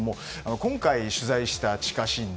今回取材した地下神殿